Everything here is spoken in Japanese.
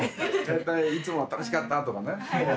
大体いつもは「楽しかった」とかね